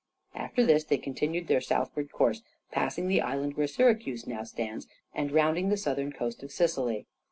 After this they continued their southward course, passing the island where Syracuse now stands, and rounding the southern coast of Sicily.